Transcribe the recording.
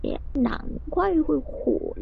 民国二年废除广平府。